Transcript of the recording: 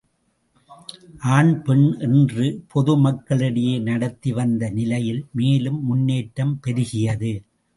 ஆண் பெண் என்று பொது மக்களிடையே நடத்தி வந்த நிலையில், மேலும் முன்றேற்றம் பெருகியது.